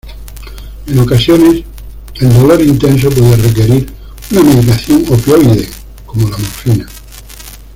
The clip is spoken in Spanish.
En ocasiones, el dolor intenso puede requerir una medicación opioide, como la morfina.